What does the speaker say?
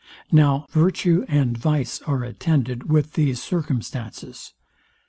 Now virtue and vice are attended with these circumstances.